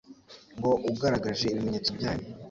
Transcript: ngo ugaragaje ibimenyetso byayo,